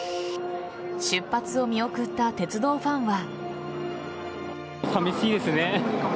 出発を見送った鉄道ファンは。